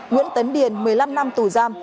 nguyễn tấn điền một mươi năm năm tù giam